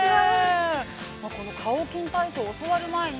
◆カオキン体操教わる前に。